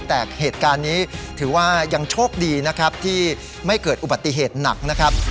แต่เหตุการณ์นี้ถือว่ายังโชคดีนะครับที่ไม่เกิดอุบัติเหตุหนักนะครับ